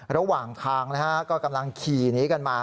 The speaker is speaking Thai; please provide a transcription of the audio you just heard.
ระหว่างทางก็กำลังขี่หนีกันมา